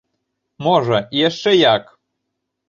Можа, і яшчэ як!